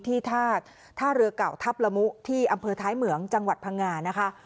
ท่าเรือเก่าทัพละมุที่อำเภอท้ายเหมืองจังหวัดพังงานะคะ